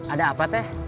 ada apa teh